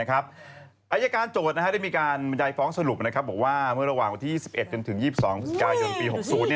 อายการโจทย์ได้มีการใยฟ้องสรุปว่าเมื่อระหว่างวันที่๒๑๒๒พยปี๖๐